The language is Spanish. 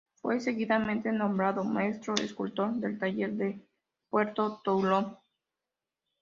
Fue seguidamente nombrado maestro escultor del taller del puerto de Toulon.